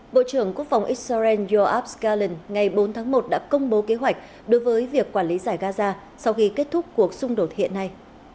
bộ trưởng quốc phòng israel yoav galan ngày bốn tháng một đã công bố kế hoạch đối với việc quản lý giải gaza sau khi kết thúc cuộc xung đột hiện nay